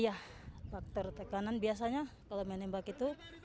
iya faktor tekanan biasanya kalau menembak itu